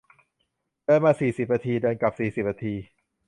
เดินมาสี่สิบนาที เดินกลับสี่สิบนาที